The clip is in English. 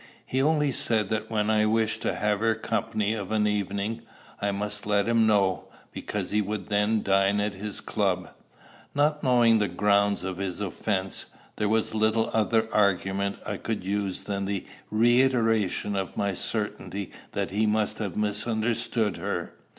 He only said that when I wished to have her society of an evening, I must let him know, because he would then dine at his club. Not knowing the grounds of his offence, there was little other argument I could use than the reiteration of my certainty that he must have misunderstood her.